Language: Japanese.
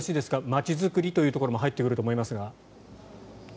街づくりというところも入ってくると思いますが。